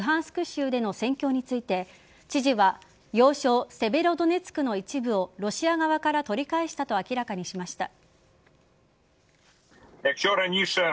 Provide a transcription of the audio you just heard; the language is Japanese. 州での戦況について知事は要衝・セベロドネツクの一部をロシア側から取り返したと明らかにしました。